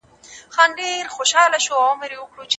له سپک ژوند غوره وباله